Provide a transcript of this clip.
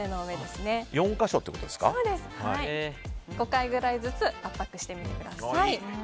５回ぐらいずつ圧迫してみてください。